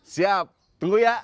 siap tunggu ya